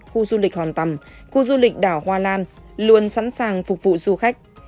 khu du lịch hòn tầm khu du lịch đảo hoa lan luôn sẵn sàng phục vụ du khách